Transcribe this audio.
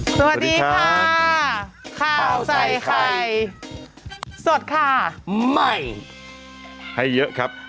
สวัสดีค่ะข้าวใส่ไข่สดค่ะใหม่ให้เยอะครับ